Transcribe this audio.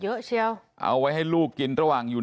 พ่ออายุหกสิบเก้าแล้วแม่ห้าสิบเก้านะครับ